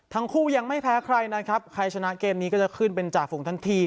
ทั้งคู่ยังไม่แพ้ใครนะครับใครชนะเกมนี้ก็จะขึ้นเป็นจ่าฝูงทันที